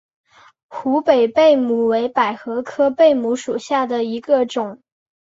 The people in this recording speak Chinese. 湖北贝母为百合科贝母属下的一个种。